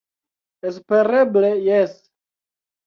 Espereble jes.